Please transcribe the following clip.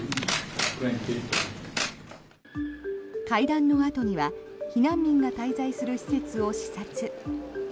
会談のあとには避難民が滞在する施設を視察。